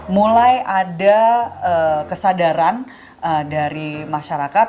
mulai ada kesadaran dari masyarakat